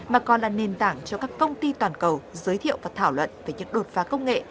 mà còn là nền tảng cho các công ty toàn cầu giới thiệu và thảo luận về những đột phá công nghệ